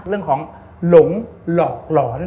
เรื่องของหลงหลอกหลอน